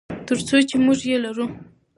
تر څو چې موږ یې لرو.